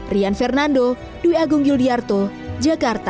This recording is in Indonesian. rian fernando dwi agung yuliarto jakarta